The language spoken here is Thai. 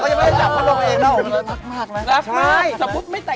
เขายังไม่ได้จับเขาลงเองแล้วเอาออกเลย